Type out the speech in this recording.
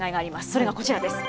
それがこちらです。